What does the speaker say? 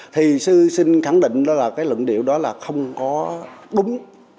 thì sư xin khẳng định là cái luận điệu đó là không có đúng